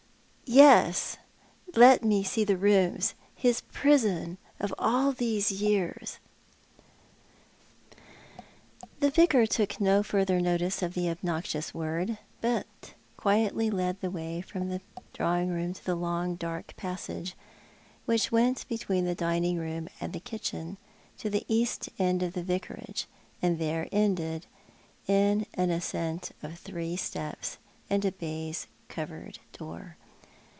" Yes, let me see the rooms — his prison of all these years." The Vicar took no further notice of the obnoxious word, but quietly led the way from the drawing room to the long dark passage which went between the dining room and kitchen to the east end of the Vicarage, and there ended in an ascent of three steps and a baize covered door.